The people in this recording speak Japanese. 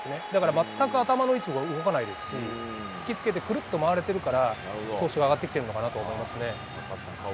全く頭の位置も動かないですし引き付けてくるっと回れているから調子が上がってきてるのかなと思います。